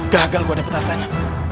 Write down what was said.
gagal gue dapet hartanya